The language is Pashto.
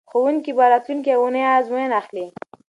ښوونکي به راتلونکې اونۍ ازموینه اخلي.